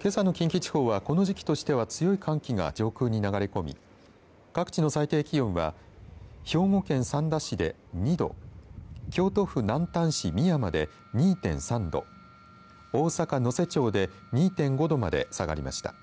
けさの近畿地方はこの時期としては、強い寒気が上空に流れ込み各地の最低気温は兵庫県三田市で２度京都府南丹市美山で２．３度大阪、能勢町で２．５度まで下がりました。